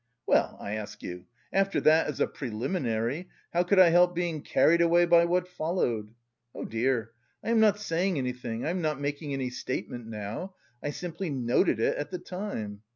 Well, I ask you, after that as a preliminary, how could I help being carried away by what followed? Oh, dear, I am not saying anything, I am not making any statement now. I simply noted it at the time.